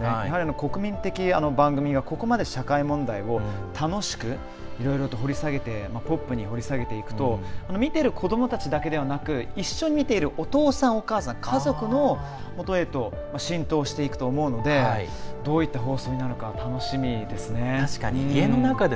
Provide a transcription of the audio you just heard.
やはり国民的番組が、ここまで社会問題を楽しくいろいろとポップに掘り下げていくと見てる子どもたちだけじゃなく一緒に見ているお父さん、お母さん家族のもとへと浸透していくのでどういった放送になるか楽しみです。